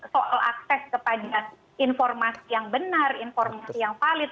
soal akses kepada informasi yang benar informasi yang valid